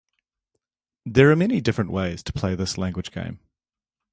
There are many different ways to play this language game.